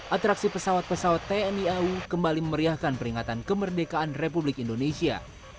atraksi pesawat pesawat tni au kembali memeriahkan peringatan kemerdekaan republik indonesia